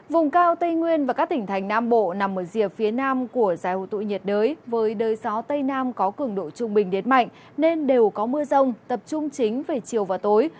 vùng cao tây nguyên và các tỉnh thành nam bộ nằm ở rìa phía nam của giải hội tụ nhiệt đới với đới gió tây nam có cường độ trung bình đến mạnh nên đều có mưa rông tập trung chính về chiều và tối